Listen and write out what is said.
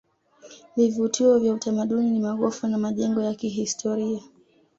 vivutio vya utamaduni ni magofu na majengo ya kihistoria